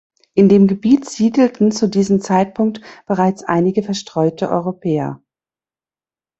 In dem Gebiet siedelten zu diesem Zeitpunkt bereits einige verstreute Europäer.